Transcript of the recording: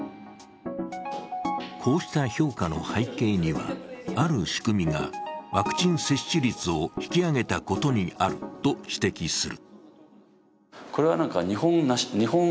こうした評価の背景には、ある仕組みがワクチン接種率を引き上げたことにあると指摘する。